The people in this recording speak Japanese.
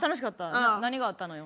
何があったのよ？